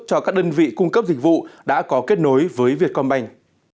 cho các đơn vị cung cấp dịch vụ đã có kết nối với vietcombank